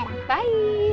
berangkat hari mbak